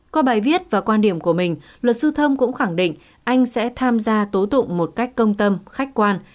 qua bài viết và quan điểm của mình luật sư thông cũng khẳng định anh sẽ tham gia tố tụng một cách công tâm khách quan